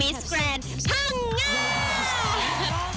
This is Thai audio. มิสกรานด์พังง่า